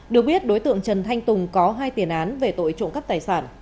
được biết đối tượng trần thanh tùng có hai tiền án về tội trộm cắp tài sản